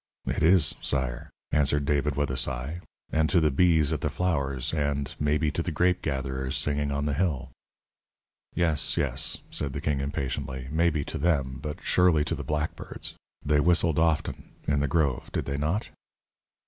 "It is, sire," answered David, with a sigh; "and to the bees at the flowers, and, maybe, to the grape gatherers singing on the hill." "Yes, yes," said the king, impatiently; "maybe to them; but surely to the blackbirds. They whistled often, in the grove, did they not?"